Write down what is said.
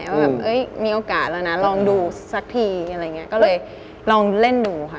ว่ามีโอกาสแล้วนะลองดูซักพี่ก็เลยลองเล่นดูค่ะ